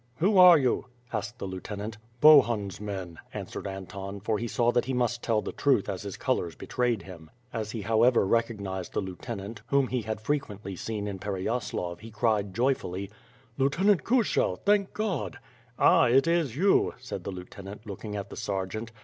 "Who are you?" asked the Lieutenant. "Bohun's men," answered Anton, for he saw that he must tell the truth as his colors betrayed him. As he however re cognized the lieutenant, whom he had frequently seen in Pereyaslav, he cried joyfully: "Lieutenant Kushel; thank Ood!" "Ah; it is you," said the lieutenant, looking at the ser geant.